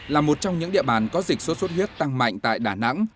là một trong những địa bàn có dịch sốt xuất huyết tăng mạnh tại đà nẵng